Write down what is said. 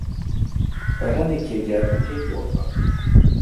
Bereniké gyermekei voltak.